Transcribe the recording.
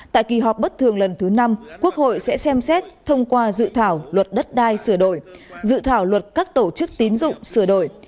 tại kỳ họp bất thường lần thứ năm quốc hội sẽ xem xét thông qua dự thảo luật đất đai sửa đổi dự thảo luật các tổ chức tín dụng sửa đổi